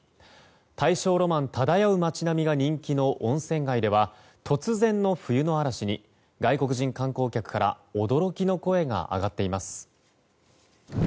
大正ロマン漂う街並みが人気の温泉街では突然の冬の嵐に外国人観光客から驚きの声が上がっています。